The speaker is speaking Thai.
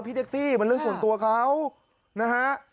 เท็กซี่มันเรื่องส่วนตัวเขานะฮะ